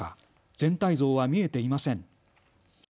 全体像は見えていません。